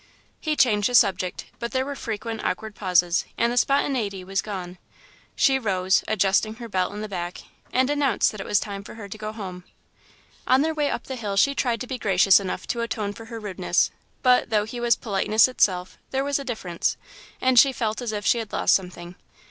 He changed the subject, but there were frequent awkward pauses and the spontaniety was gone. She rose, adjusting her belt in the back, and announced that it was time for her to go home. On their way up the hill, she tried to be gracious enough to atone for her rudeness, but, though he was politeness itself, there was a difference, and she felt as if she had lost something.